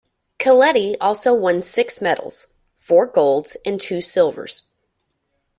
Keleti also won six medals: four golds and two silvers.